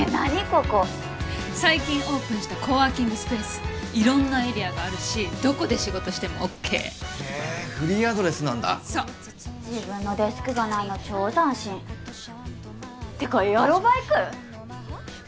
ここ最近オープンしたコワーキングスペース色んなエリアがあるしどこで仕事してもＯＫへえフリーアドレスなんだそう自分のデスクがないの超斬新ってかエアロバイク！？